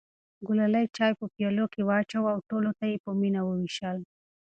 ګلالۍ چای په پیالو کې واچوه او ټولو ته یې په مینه وویشل.